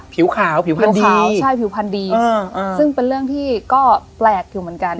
ผิวขาวผิวพันดีใช่ผิวพันธุ์ดีซึ่งเป็นเรื่องที่ก็แปลกอยู่เหมือนกัน